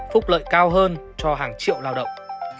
phúc lợi cao hơn cho hàng triệu lao động